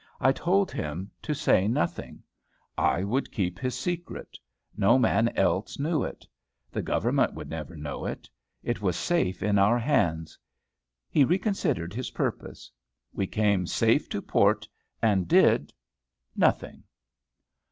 I told him to say nothing; I would keep his secret; no man else knew it. The Government would never utter it. It was safe in our hands. He reconsidered his purpose. We came safe to port and did nothing.